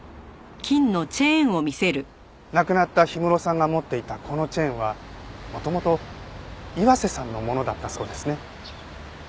亡くなった氷室さんが持っていたこのチェーンは元々岩瀬さんのものだったそうですね。